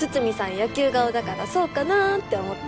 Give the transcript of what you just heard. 野球顔だからそうかなって思って。